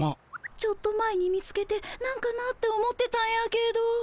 ちょっと前に見つけてなんかなって思ってたんやけど。